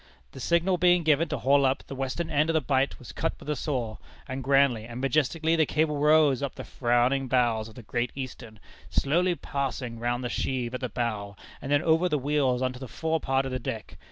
The signal being given to haul up, the western end of the bight was cut with a saw, and grandly and majestically the cable rose up the frowning bows of the Great Eastern, slowly passing round the sheave at the bow, and then over the wheels on to the fore part of the deck.